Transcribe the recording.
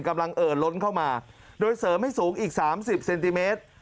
เอ่อล้นเข้ามาโดยเสริมให้สูงอีก๓๐เซนติเมตร